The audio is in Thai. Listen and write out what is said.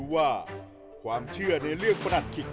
คิกคิกคิกคิกคิกคิกคิก